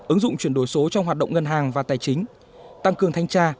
ứng dụng chuyển đổi số trong hoạt động ngân hàng và tài chính tăng cường thanh tra